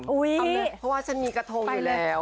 เพราะว่าฉันมีกระทงอยู่แล้ว